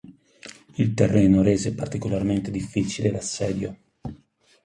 Il terreno rese particolarmente difficile l'assedio.